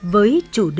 với chủ đề